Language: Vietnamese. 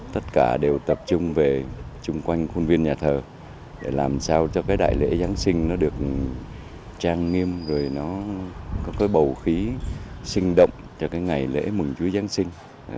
tất cả đều tập trung về chung quanh khuôn viên nhà thờ để làm sao cho cái đại lễ giáng sinh nó được trang nghiêm rồi nó có cái bầu khí sinh động cho cái ngày lễ mừng chú giáng sinh